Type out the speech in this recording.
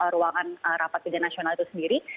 ruangan rapat kerja nasional itu sendiri